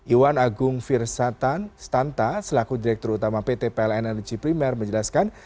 iwan agung firsatan stanta selaku direktur utama pt pln energy primer menjelaskan